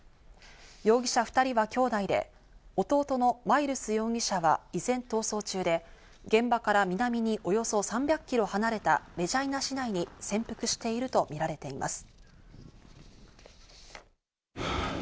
容疑者２人は兄弟で弟のマイルス容疑者は依然、逃走中で現場から南におよそ３００キロ離れたレジャイナ市内に潜伏しているとみられています。